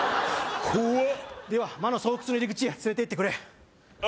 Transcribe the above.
では魔の巣窟の入り口へ連れて行ってくれあ